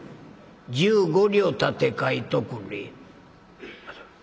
「１５両立て替えとくれ」。